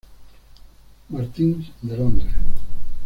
Martins de Londres.